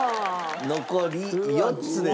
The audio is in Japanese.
残り４つです。